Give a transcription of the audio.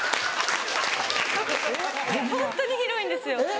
ホントに広いんですよ。えっ？